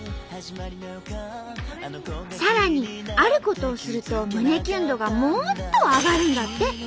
さらにあることをすると胸キュン度がもっと上がるんだって。